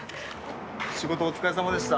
仕事お疲れさまでした。